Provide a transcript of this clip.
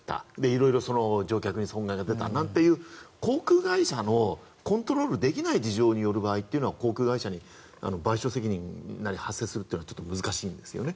色々、乗客に損害が出たなんていう航空会社のコントロールできない事情による場合は航空会社に賠償責任なり発生するというのは難しいんですよね。